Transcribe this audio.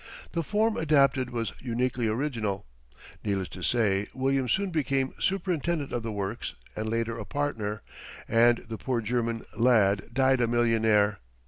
The form adapted was uniquely original. Needless to say, William soon became superintendent of the works and later a partner, and the poor German lad died a millionaire.